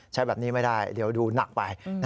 ใช้แบบนี้ไม่ได้เดี๋ยวดูหนักไป